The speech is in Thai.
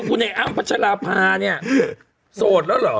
คุณใหญ่อ้างปัชราพาเนี่ยโสดแล้วเหรอ